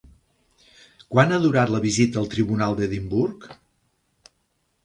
Quant ha durat la vista al Tribunal d'Edimburg?